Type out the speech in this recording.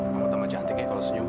kamu teman cantik ya kalau senyum